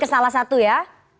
ke salah satu ya